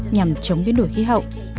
nhằm chống biến đổi khí hậu